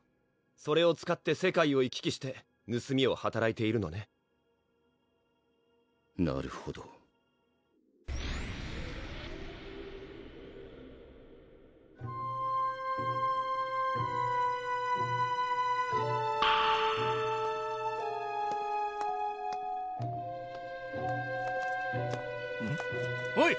それを使って世界を行き来してぬすみをはたらいているのねなるほどおい！